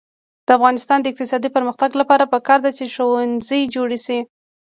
د افغانستان د اقتصادي پرمختګ لپاره پکار ده چې ښوونځي جوړ شي.